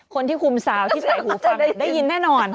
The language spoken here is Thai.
คนที่คุมสาวที่ใส่หูฟังได้ยินแน่นอน